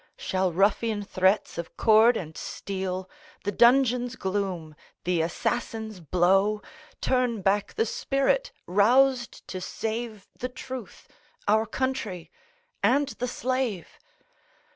Shall ruffian threats of cord and steel, The dungeon's gloom, the assassin's blow, Turn back the spirit roused to save The Truth, our Country, and the slave?